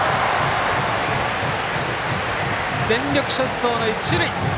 全力疾走の一塁。